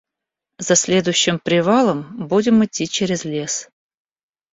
За следующим привалом будем идти через лес.